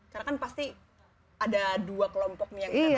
karena kan pasti ada dua kelompok yang berantem ya